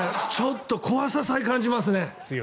ちょっと怖ささえ感じますね。